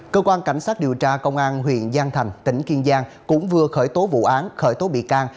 cơ quan cảnh sát điều tra công an huyện giang thành tỉnh kiên giang cũng vừa khởi tố vụ án khởi tố bị can